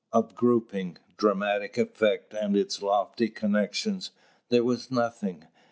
Of grouping, dramatic effect and its lofty connections, there was nothing.